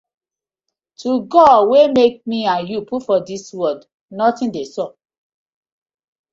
To God wey mak mi and you put for dis world, notin dey sup.